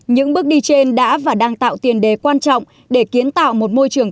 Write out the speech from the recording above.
những bước đi trên đã và đang tạo tiền đề quan trọng để kiến tạo một môi trường